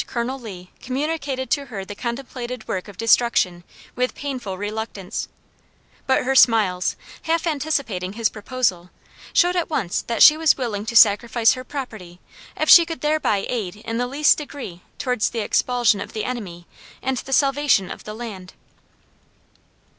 Colonel Lee communicated to her the contemplated work of destruction with painful reluctance, but her smiles, half anticipating his proposal, showed at once that she was willing to sacrifice her property if she could thereby aid in the least degree towards the expulsion of the enemy and the salvation of the land.